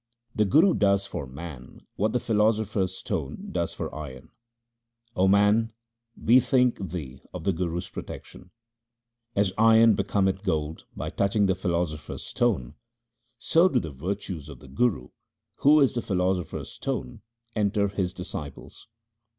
The Guru does for man what the philosopher's stone does for iron :— O man, bethink thee of the Guru's protection. As iron becometh gold by touching the philosopher's stone, so do the virtues of the Guru, who is the philosopher's stone, enter his disciples.